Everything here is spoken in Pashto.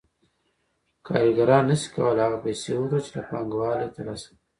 کارګران نشي کولای هغه پیسې وخوري چې له پانګوال یې ترلاسه کوي